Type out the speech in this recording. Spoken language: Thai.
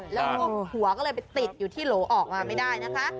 แล้วโรคหัวก็เลยไปติดอยู่ที่โหลออกมาไม่ได้นะคะ